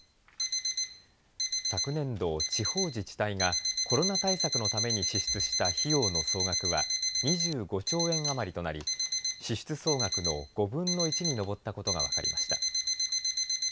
昨年度、地方自治体がコロナ対策のために支出した費用の総額は２５兆円余りとなり支出総額の５分の１に上ったことが分かりました。